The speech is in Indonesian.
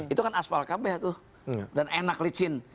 itu kan asfal kb ya dan enak licin